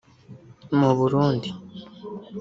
mu Burundi